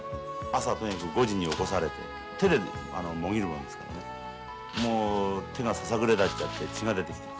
朝ね５時に起こされて手でもぎるもんですからねもう手がささくれだっちゃって血が出てきて。